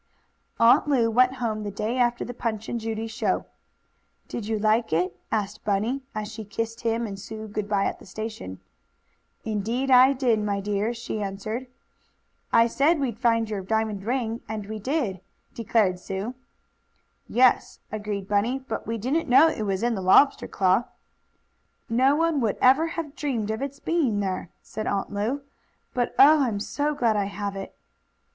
Aunt Lu went home the day after the Punch and Judy show. "Did you like it?" asked Bunny, as she kissed him and Sue good bye at the station. "Indeed I did, my dear!" she answered. "I said we'd find your diamond ring, and we did," declared Sue. "Yes," agreed Bunny, "but we didn't know it was in the lobster's claw." "No one would ever have dreamed of its being there," said Aunt Lu. "But oh! I am so glad I have it!"